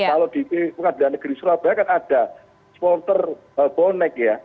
kalau di pengadilan negeri surabaya kan ada supporter bonek ya